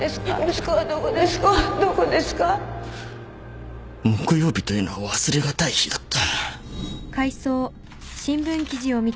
息子はどこですか？木曜日というのは忘れがたい日だった。